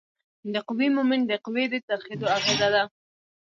د قوې مومنټ د قوې د څرخیدو اغیزه ده.